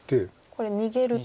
これ逃げると。